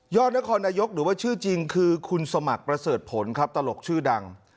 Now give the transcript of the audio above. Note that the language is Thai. นครนายกหรือว่าชื่อจริงคือคุณสมัครประเสริฐผลครับตลกชื่อดัง